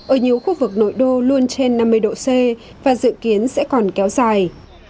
ở nhiều khu vực nội đô luôn trên năm mươi độ c và dự kiến sẽ còn kéo dài